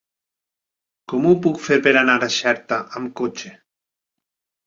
Com ho puc fer per anar a Xerta amb cotxe?